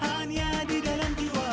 hanya di dalam jiwa